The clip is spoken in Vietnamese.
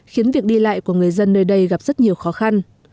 khiến việc đi lại của người dân nơi đây gặp rất nhiều khó khăn